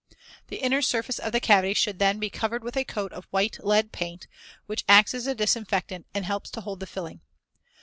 The inner surface of the cavity should then be covered with a coat of white lead paint, which acts as a disinfectant and helps to hold the filling.